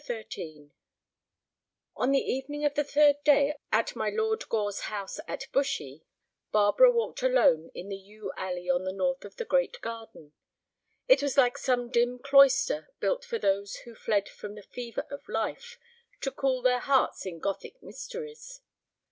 XIII On the evening of the third day at my Lord Gore's house at Bushy, Barbara walked alone in the yew alley on the north of the great garden. It was like some dim cloister built for those who fled from the fever of life to cool their hearts in Gothic mysteries.